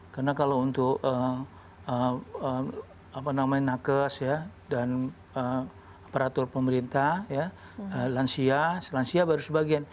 karena kalau untuk nakes dan aparatur pemerintah lansia lansia baru sebagian